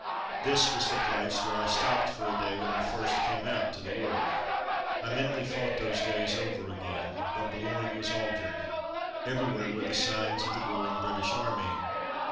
This was the place where I stopped for a day when I first came out to the war. 'qa ^u^^ tUr He I mentally fought those days over again. But Boulogne was altered. Everywhere were the signs of the growing British Army.